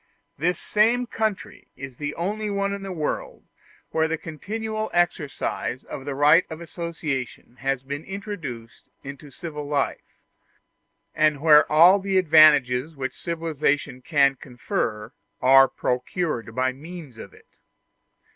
This same country is the only one in the world where the continual exercise of the right of association has been introduced into civil life, and where all the advantages which civilization can confer are procured by means of it.